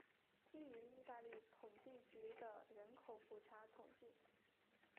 基于意大利统计局的人口普查统计。